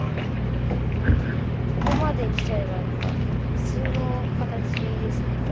ここまできちゃえばなんかふつうの形ですね。